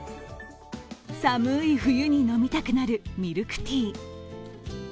寒い冬に飲みたくなるミルクティー。